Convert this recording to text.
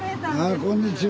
こんにちは。